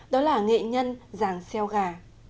đó là nghệ nhân giàng xeo gà